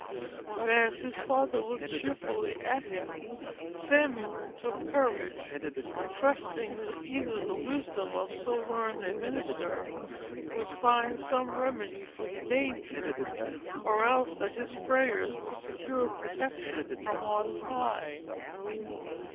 But, as his father looked cheerfully at him, Samuel took courage, trusting that either the wisdom of so learned a minister would find some remedy for the danger, or else that his prayers would secure protection from on high.